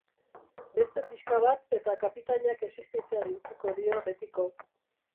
Beste pixka bat, eta kapitainak existitzeari utziko dio betiko.